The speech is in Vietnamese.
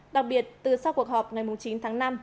đặc biệt từ sau cuộc họp ngày chín tháng năm